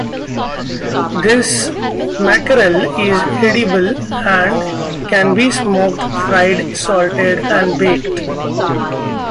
This mackerel is edible and can be smoked, fried, salted, and baked.